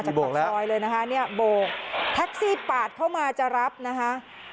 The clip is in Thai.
ปากซอยเลยนะคะเนี่ยโบกแท็กซี่ปาดเข้ามาจะรับนะคะ